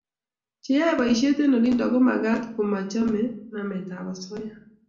Che yae boishet eng' olindok ko magat ko machame namet ab asoya